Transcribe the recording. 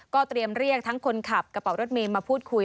เตรียมเรียกทั้งคนขับกระเป๋ารถเมย์มาพูดคุย